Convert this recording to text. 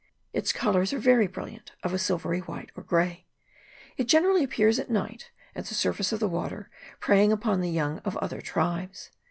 Its colours are very brilliant, of a silvery white, or grey. It generally appears at night, at the surface of the water, preying upon the young of other tribes.